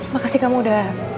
makasih kamu udah